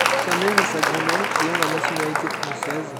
Sa mère et sa grand-mère ayant la nationalité française.